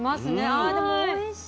あでもおいしい。